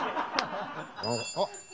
あっ！